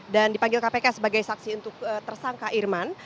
dan dipanggil kpk sebagai saksi untuk tersangka irman